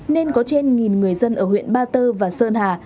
nên có trên người dân ở huyện ba tơ và sơn hà